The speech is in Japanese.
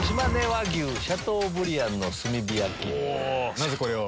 なぜこれを？